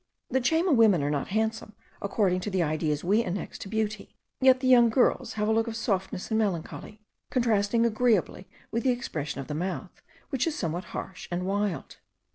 The Chayma women are not handsome, according to the ideas we annex to beauty; yet the young girls have a look of softness and melancholy, contrasting agreeably with the expression of the mouth, which is somewhat harsh and wild.